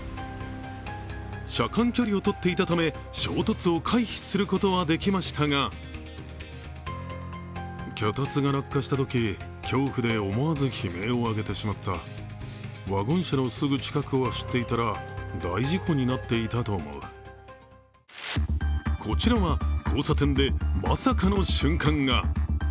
車間距離をとっていたため衝突を回避することはできましたがこちらは、交差点でまさかの瞬間が。